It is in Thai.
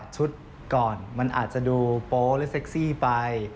ก่อนมันอาจจะดูโป๊หรือเซ็กซี่ไป